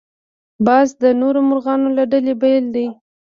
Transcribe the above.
باز د نورو مرغانو له ډلې بېل دی